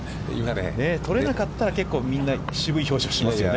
取れなかったら、結構みんな、渋い表情をしますよね。